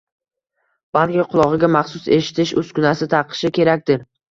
Balki qulog‘iga maxsus eshitish uskunasi taqishi kerakdir.